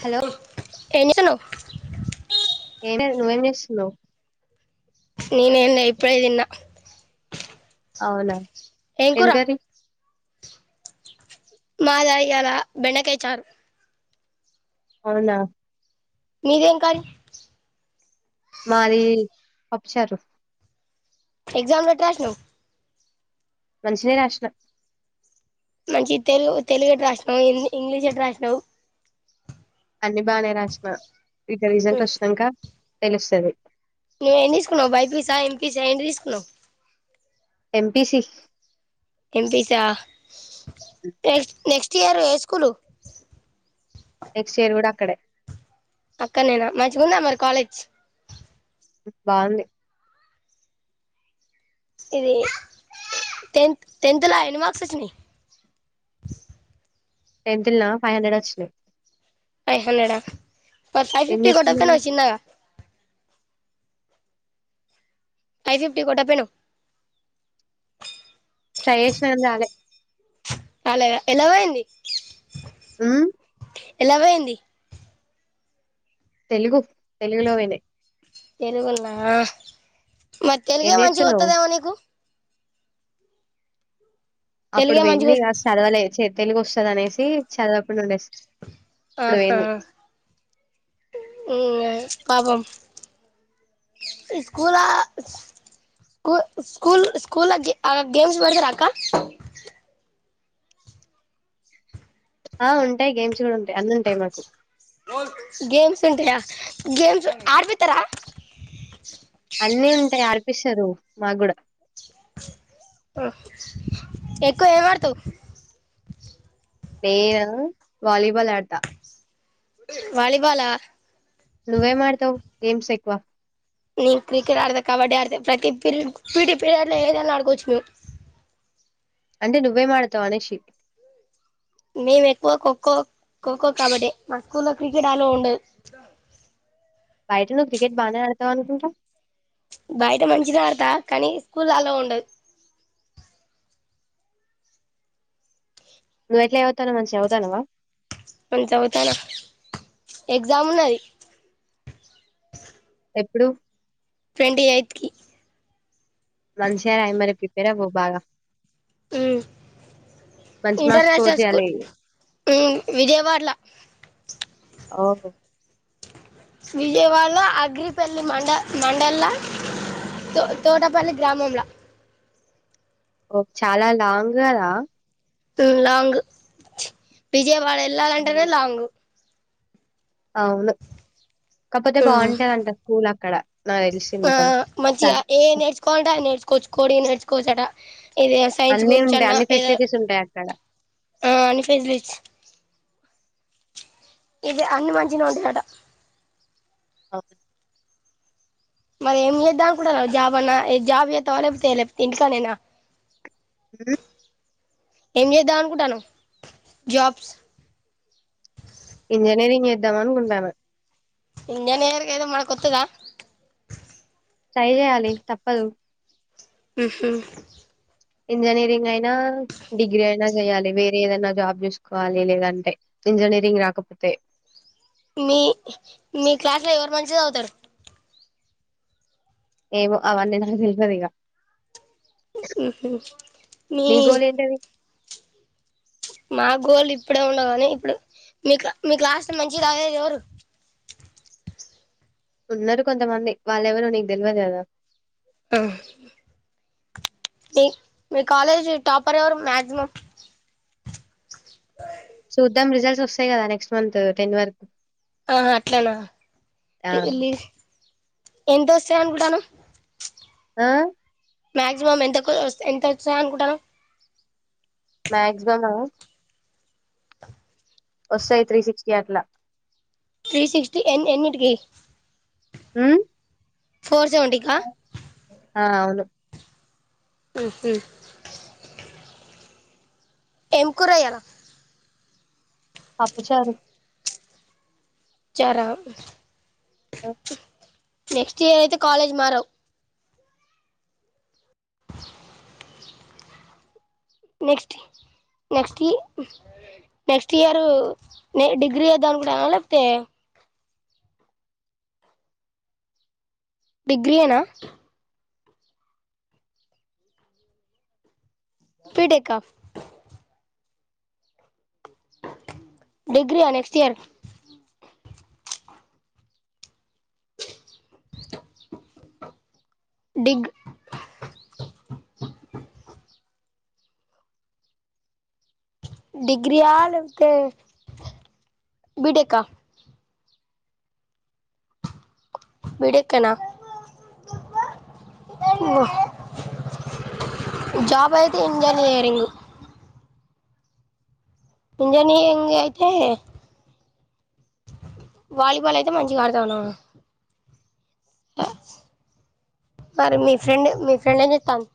Hello ఏం చేస్తున్నావ్ ఏమైంది నువ్వేం చేస్తున్నావ్ నేను ఏం లె ఎప్పుడే తిన్నా ఔనా ఏం కూర మాద ఇయాలా బెండకాయ చారు అవునా మీదేం కర్రీ మాది పప్పు చారు ఎగ్జామ్ ఎట్ల రాసినవ్ మంచిగనే రాసిన మంచి తెలుగు తెలుగు ఎట్లా రాసినవు ఇంగ్లీష్ ఎట్లా రాసినావు అన్ని బాగానే రాసిన ఇక రీజల్ట్ వచ్చినంక తెలుస్తది నువ్వేం ఏం తీసుకున్నావ్ బైపీసా ఎంపీసా ఏంటిది తీసుకున్నా ఎంపిసి ఎంపిసా టెక్స్ట్ నెక్స్ట్ ఆరు ఏ స్కూలు నెక్స్ట్ ఇయర్ కూడా అక్కడే అక్కడ నేనా మంచిగ ఉందా మరి కాలేజ్ బాంది ఇది టెన్త్ టెన్త్లా ఎన్ని మార్క్స్ వచ్చినయి టెన్త్ లనా ఫైవ్ హండ్రెడ్ వచ్చాయి ఫైవ్ హన్న్రడా ఫైవ్ ఫిఫ్టీ చేస్తున్నావ్ కొట్టకపోయినవ్ చిన్నగా ఫైవ్ ఫిఫ్టీ కొట్టకపోయినవ్ ట్రై చేసినా కని రాలే అలా ఎలా పోయింది హమ్ ఎలా పోయింది తెలుగు తెలుగులో పోయినాయి తెరుగుల్నా మరి ఏం తెలుగే మంచిగా చేస్తున్నావ్ వతుదేమో నీకు అప్పుడు తెలుగే వెంది మంచిగా చదవలే చే తెలుగు వస్తుంది అనేసి చదాప్పుటి నుండేస్తు ఆహా పాపం స్కూలా స్కూ స్కూల్ స్కూల్ గేమ్స్ పెడతార అక్క ఆ ఉంటాయి గేమ్స్ కూడా ఉంటాయి అన్ని ఉంటాయి మాకు గేమ్స్ ఉంటాయా గేమ్స్ ఆ పెతరా అన్నీ ఉంటాయి ఆ పిషరు మకుడ ఎక్కువ ఏం వాడుతావ్ నేను వాలిబాల్ ఆడతా వాలిబాలా గమ్స్ ఎక్కువ న క్రికెట్ ఆడతే కబడ్డీ ఆడితే ప్రతి ప పీడి పీరియడ్ లో ఏదైనా ఆడుకోవచ్చు మ అంటే నువ్వే ఆడుతావ్ అనేసి మేము ఎక్కువ ఖోఖో ఖోఖో కబడ్డీ మా స్కూల్లో లో క్రికెట్ ఆలో ఉండదు బయట నువ్వు క్రికెట్ బాగానే ఆడతావ అనుకుంటావు బయట మంచిగా ఆడతా కానీ స్కూల్ లో అల్లో ఉండదు ను ఎట్లే తన మంచి చదువుతానవ మంచిగా చదువుతానా ఎగ్జామ్ ఉన్నది ఎప్పుడు ట్వెంటీ ఎయిత్ కి మనుషిారు అఐ మరి ప్రిపేర్ బాగా ఉమ్ మంచ మాస స్కోర్ చేయాలిడి విజయవాడలో ఆహ విజయవాడలో అగ్రిపల్లి మండ మండల్ తో తోటపల్లి గ్రామంలా ఓ చాలా లాంగ్ కదా లాంగ్ బ విజయవాడ వెళ్ళాలంటేనే ఉమ్. లాంగు అవును కాకపోతే ఆ బాగుంటదంట స్కూల్ అక్కడ నాకు తెలిసింది ఆ కొంచెం మంచిగా సరే. ఏ నేర్చుకోండా నేర్చుకోవచ్చు కోడి నేర్చుకో కో చడ ఏద సైన్స్ అన్నీ గురించి ఉంటాయి అన్నా అన్ని ఏదో ఫెసిలిటీస్ ఉంటాయి అక్కడ ఆ అని ఫెసిలిటీస్ ఇది అన్న మజ నోడుయాట అఓ మరి ఏం చేద్దానికి కూడా జాబ్ అన్నా జాబ్ చేస్తావా లేకపోతే లేకపోతే ఇంకానేనా ఉమ్. ఎం చేద్దానుకుటాను జబ్స్ ఇంజనీరింగ్ చేద్దాం అనుకుంటాను ఇం ననే ఎర్గ ఇద మకతుదా ట్రై చేయాలి తప్పదు ఉమ్ ఇంజనీరింగ్ అయితే డిగ్రీనా చేయాలి వేరే ఏదనా జాబ్ చేూసుకోవాలి లేదంటే ఇంజనీరింగ్ రాకపోతే మీ మీ క్లాస్ లో ఎవరు మంచిది అవుతారు ఏమో అవన్నీ నాకు తెలుసంది ఇక మీ నీ గోల్ ఏంటది? మా గోల్డ్ ఇప్పుడే ఉండవు కానీ ఇప్పుడు మీకు మీకులాస్ మంచి గేదు ఎవరు ఉన్నారు కొంతమంది వాళ్ళెవరు నీకు తెలియదు కదా ఆ మీ మీ కాలేజ్ టాపర్ ఎవరు మాక్సిమం స చూద్దాం రిజల్ట్స్ వస్తాయి కదా నెక్స్ట్ మంత్ టెన్ వరక్ ఆహా అట్లేనాల్ ఎంత వస్తా అను కూడాడాను ఆ మాక్సిమం ఎంత ఎంత వస్తాయ అనుకుంటారు మాక్సిమమ్ వస్తాయి త్రీ సిక్స్టీ అట్లా త్రీ సిక్స్టీ ఎన్ ఎన్నిటికికి ఉమ్ ఫోర్ సెవెంటంటిక ఆ అవును ఉహు ఏం కురీయాల అప్పుచారు చరా ఆ నెక్స్ట్ ఇయర్ అయితే కాలేజ్ మారవు నెక్స్ట్ నెక్స్ట్ ఇ నెక్స్ట్ ఇయరు నే డిగ్రీ చేదామనుకుంటనావ లేకపోతే డిగ్రీ ఏనా బిటెక్ ఆ డిగ్రీ ఆ నెక్స్ట్ ఇయర్ డిగ్ డిగ్రి ఆ లేకపోతే బిటేకా బిటెక్ ఏనా జాబ్ అయితే ఇంజినీరింగ్ ఇంజ అయితే వాలీబాల్ అయితే మంచి ఆడతా ఉన్నాను మరి మీ ఫ్రెండ్ మీ ఫ్రెండ్ ఏం చెస్తాను